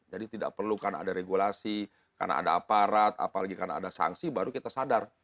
jadi tidak perlu karena ada regulasi karena ada aparat apalagi karena ada sanksi baru kita sadar